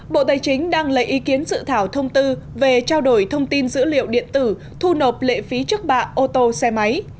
bộ tài chính đang lấy ý kiến dự thảo thông tư về trao đổi thông tin dữ liệu điện tử thu nộp lệ phí trước bạ ô tô xe máy